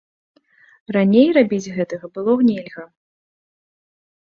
Раней рабіць гэтага было нельга.